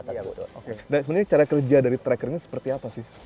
nah sebenarnya cara kerja dari tracker ini seperti apa sih